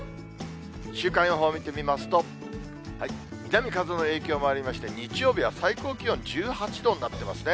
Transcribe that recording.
週間予報見てみますと、南風の影響もありまして、日曜日は最高気温１８度になってますね。